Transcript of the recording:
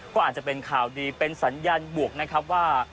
ก็อาจจะเป็นข่าวดีเป็นสัญญาณบวกนะครับว่า